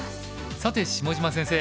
さて下島先生